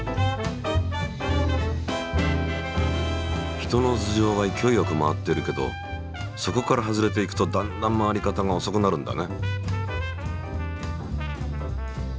人の頭上は勢いよく回っているけどそこから外れていくとだんだん回り方が遅くなるんだね。